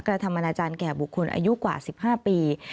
กระทำอนาจารย์แก่บุคคลอายุกว่า๑๕ปี